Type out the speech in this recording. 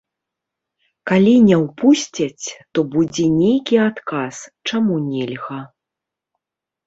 Калі не ўпусцяць, то будзе нейкі адказ, чаму нельга.